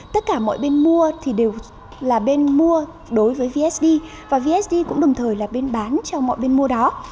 tất cả mọi bên mua thì đều là bên mua đối với vsd và vsd cũng đồng thời là bên bán cho mọi bên mua đó